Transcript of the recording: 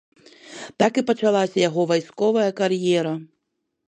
Так і пачалася яго вайсковая кар'ера.